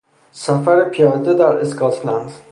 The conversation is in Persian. سفر پیاده در اسکاتلند